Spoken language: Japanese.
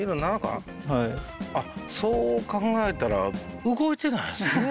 そう考えたら動いてないですね。